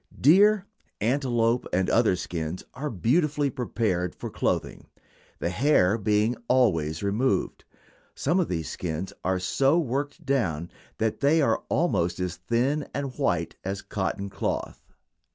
Deer, antelope, and other skins are beautifully prepared for clothing, the hair being always removed. Some of these skins are so worked down that they are almost as thin and white as cotton cloth.